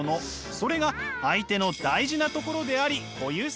それが相手の大事なところであり固有性なのです！